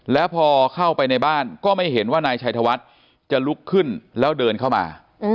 แล้วพอเข้าไปในบ้านก็ไม่เห็นว่านายชัยธวัฒน์จะลุกขึ้นแล้วเดินเข้ามา